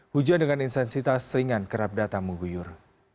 hujan dengan insensitas seringan kerap datang mengguyur